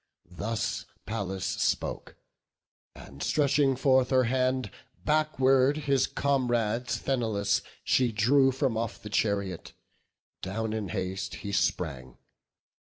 Thus Pallas spoke, and stretching forth her hand Backward his comrade Sthenelus she drew From off the chariot; down in haste he sprang.